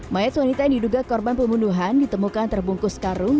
mayat wanita yang diduga korban pembunuhan ditemukan terbungkus karung